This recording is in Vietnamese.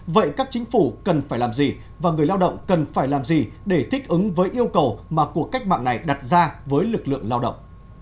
vậy các chính phủ cần phải làm gì và người lao động cần phải làm gì để thích ứng với yêu cầu mà cuộc cách mạng này đặt ra với lực lượng lao động